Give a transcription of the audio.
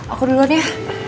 aku duluan ya